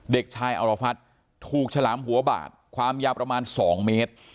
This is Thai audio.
เด็กชายอรพัฒน์ถูกฉลามหัวบาดความยาวประมาณ๒เมตร